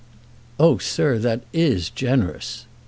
"Oh, sir, that is generous!"